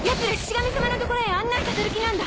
神様の所へ案内させる気なんだ！